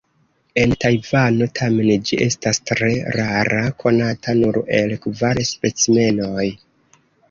En Tajvano tamen ĝi estas tre rara, konata nur el kvar specimenoj.